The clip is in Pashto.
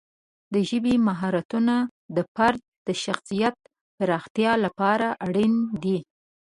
د ژبې مهارتونه د فرد د شخصیت پراختیا لپاره اړین دي.